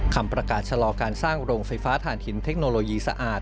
คำประกาศชะลอการสร้างโรงไฟฟ้าฐานหินเทคโนโลยีสะอาด